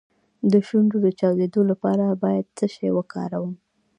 د شونډو د چاودیدو لپاره باید څه شی وکاروم؟